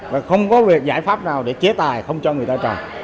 và không có việc giải pháp nào để chế tài không cho người ta trả